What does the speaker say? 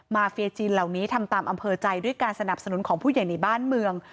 เฟียจีนเหล่านี้ทำตามอำเภอใจด้วยการสนับสนุนของผู้ใหญ่ในบ้านเมือง